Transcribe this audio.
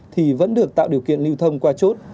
thì vẫn được tạo điều kiện lưu thông qua chốt